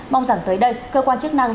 mong rằng tới đây cơ quan chức năng